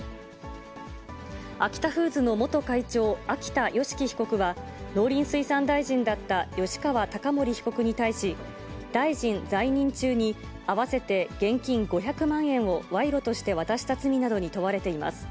アキタフーズの元会長、秋田善祺被告は、農林水産大臣だった吉川貴盛被告に対し、大臣在任中に合わせて現金５００万円を賄賂として渡した罪などに問われています。